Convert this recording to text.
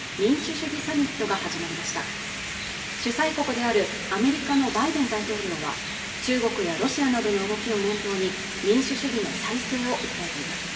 主催国であるアメリカのバイデン大統領は中国やロシアなどの動きを念頭に民主主義の再生を訴えています